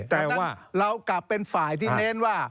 ฉะนั้นเรากลับเป็นฝ่ายที่เน้นว่า